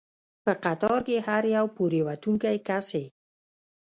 په قطار کې هر یو پورې ووتونکی کس یې.